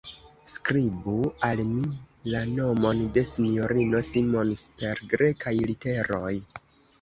Skribu al mi la nomon de S-ino Simons per Grekaj literoj!